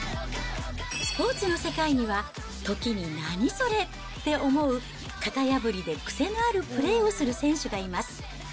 スポーツの世界には、時に何それ？って思う、型破りで癖のあるプレーをする選手がいます。